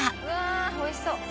うわ美味しそう！